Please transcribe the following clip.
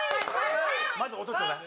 まず音ちょうだい。